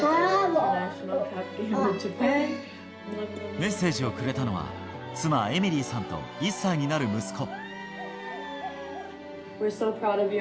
メッセージをくれたのは妻、エミリーさんと１歳になる息子。